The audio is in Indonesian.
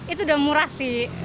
itu udah murah sih